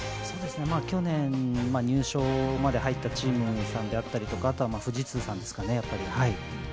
去年、入賞まで入ったチームさんであったりとか、あとは富士通さんですかね、やっぱり。